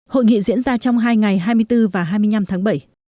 hội nghị diễn ra trong hai ngày hai mươi bốn và hai mươi năm tháng bảy